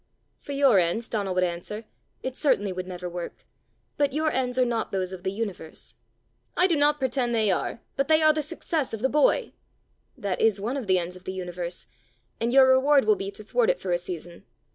"For your ends," Donal would answer, "it certainly would never work; but your ends are not those of the universe!" "I do not pretend they are; but they are the success of the boy." "That is one of the ends of the universe; and your reward will be to thwart it for a season.